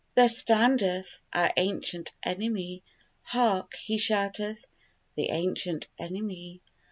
There standeth our ancient enemy; Hark! he shouteth the ancient enemy!